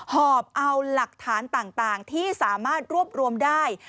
หอบเอาหลักฐานต่างที่สามารถรวบรวมได้